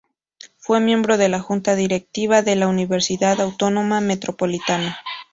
Fue miembro de la Junta Directiva de la Universidad Autónoma Metropolitana.